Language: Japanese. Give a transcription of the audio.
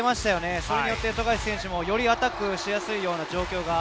それによって富樫選手もアタックしやすい状況が。